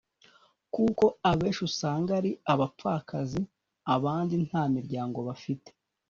kuko abenshi usanga ari abapfakazi abandi nta miryango bafite